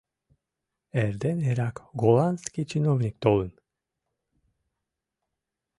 Эрден эрак голландский чиновник толын.